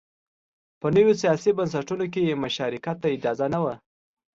په نویو سیاسي بنسټونو کې مشارکت ته اجازه نه وه